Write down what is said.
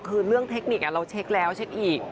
คือเรื่องเทคนิคเราเช็คแล้วเช็คอีก